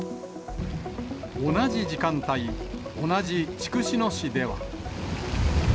同じ時間帯、同じ筑紫野市では。